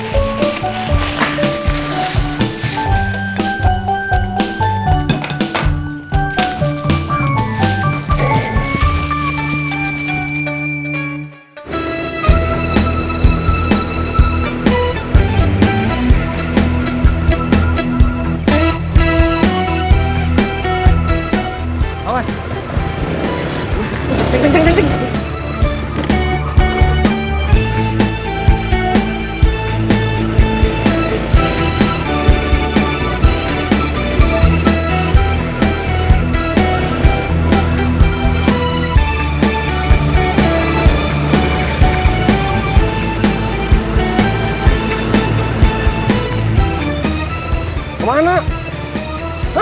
sampai jumpa lagi